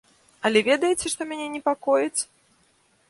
Але ведаеце, што мяне непакоіць?